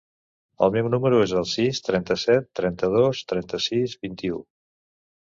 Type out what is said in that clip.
El meu número es el sis, trenta-set, trenta-dos, trenta-sis, vint-i-u.